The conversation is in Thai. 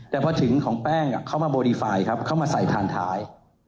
แต่พอถึงของแป้งเข้ามาโบดีไฟครับเข้ามาใส่พานท้าย